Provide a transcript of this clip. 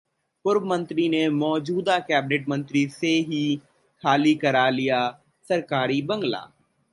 पूर्व मंत्री ने मौजूदा कैबिनेट मंत्री से ही खाली करा लिया सरकारी बंगला!